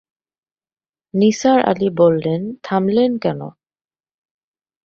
নিসার আলি বললেন, থামলেন কেন?